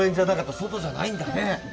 外じゃないんだね。